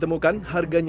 ke bromo nggak boleh